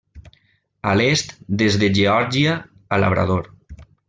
A l'est des de Geòrgia a Labrador.